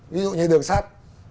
ví dụ như đường sắt